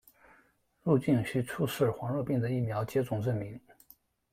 入境须出示黄热病的疫苗接种证明。